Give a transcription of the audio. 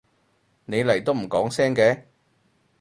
你嚟都唔講聲嘅？